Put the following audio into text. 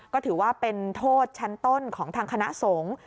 ก็ถือว่าเป็นโทษชั้นต้นของทางคณะสงฆ์